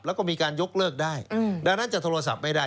แล้วก็มีการยกเลิกได้ดังนั้นจะโทรศัพท์ไม่ได้